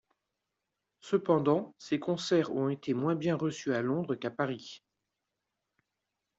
Cependant, ses concerts ont été moins bien reçus à Londres qu'à Paris.